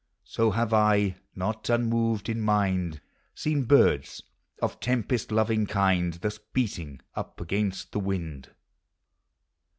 So have I, not unmoved in mind, Seen birds of tempest loving kiud. Thus beating up against the wind.